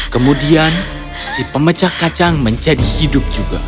kemudian si pemecah kacang menjadi hidup juga